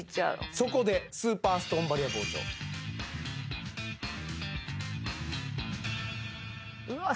そこでスーパーストーンバリア包丁うわっ